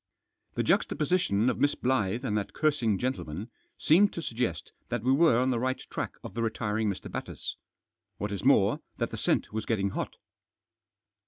The juxtaposition of Miss Blyth and that cursing gentleman seemed to suggest that we were on the track of the retiring Mr. Batters. What is more, that the scent was getting hot.